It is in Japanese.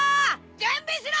準備しろ！